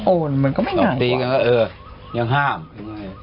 โอ้มันก็ไม่ง่ายกว่าตบตีกันก็เออยังห้าม